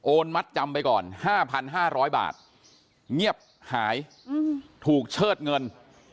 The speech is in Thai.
มัดจำไปก่อน๕๕๐๐บาทเงียบหายถูกเชิดเงิน